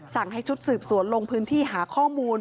สั่งให้ชุดสืบสวนลงพื้นที่หาข้อมูล